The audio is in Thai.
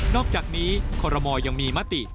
อกจากนี้คอรมอลยังมีมติ